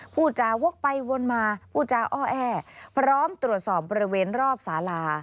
พูดจาวกไปวนมาผู้จาอ้อแอพร้อมตรวจสอบบริเวณรอบสาลา